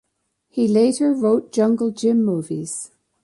He later wrote Jungle Jim movies.